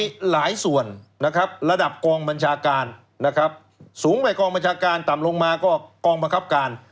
มีหลายส่วนนะครับระดับกองบัญชาการนะครับสูงไปกองบัญชาการต่ำลงมาก็กองบังคับการ